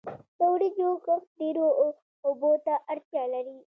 د وریجو کښت ډیرو اوبو ته اړتیا لري.